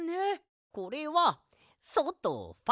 これは「ソ」と「ファ」。